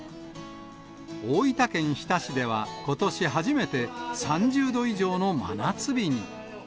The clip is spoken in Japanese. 大分県日田市では、ことし初めて３０度以上の真夏日に。